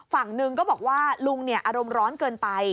ฝั่งหนึ่งก็บอกว่าลุงอารมณ์ร้อนเกินไป